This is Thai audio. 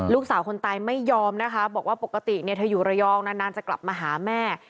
ลูกสาวคนตายไม่ยอมนะคะบอกว่าปกติเนี่ยเธออยู่ระยองนานจะกลับมาหาแม่